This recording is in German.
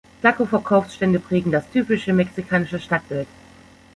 Taco-Verkaufsstände prägen das typische mexikanische Stadtbild.